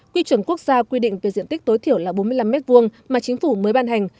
quy chuẩn quốc gia quy định về diện tích tối thiểu là bốn mươi năm m hai mà chính phủ mới ban hành